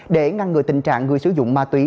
để ngăn ngừa tình trạng người sử dụng ma túy